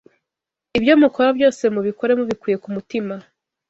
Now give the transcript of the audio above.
Ibyo mukora byose, mubikore mubikuye ku mutima